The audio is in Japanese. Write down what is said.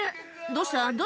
どうした？